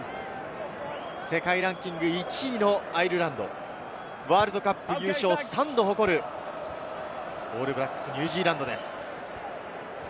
世界ランキング１位のアイルランド、ワールドカップ優勝３度を誇るオールブラックス、ニュージーランドです。